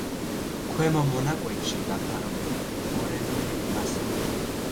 ქვემო მონაკვეთში დაფარულია მორენული მასალით.